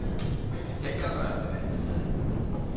せっかくなんでね。